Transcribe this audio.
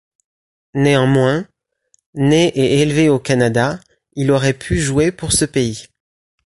Néanmoins, né et élevé au Canada, il aurait pu jouer pour ce pays.